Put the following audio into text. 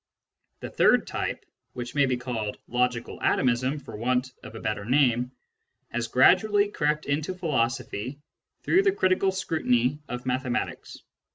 The third type, which may be called " logical atomism " for want of a better name, has gradually crept into philosophy through the critical scrutiny of mathe matics.